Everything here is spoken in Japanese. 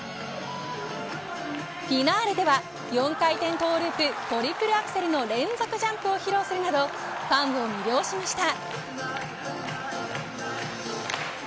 フィナーレでは４回転トゥループトリプルアクセルの連続ジャンプを披露するなどファンを魅了しました。